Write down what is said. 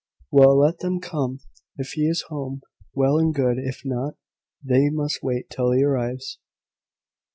"Well, let them come. If he is home, well and good; if not, they must wait till he arrives."